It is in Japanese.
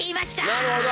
なるほど！